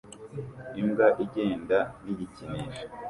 Imbwa igenda nigikinisho